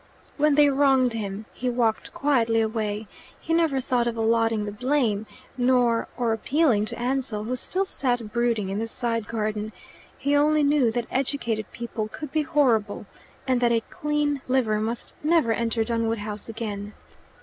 When they wronged him he walked quietly away. He never thought of allotting the blame, nor or appealing to Ansell, who still sat brooding in the side garden. He only knew that educated people could be horrible, and that a clean liver must never enter Dunwood House again.